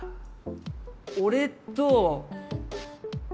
俺と。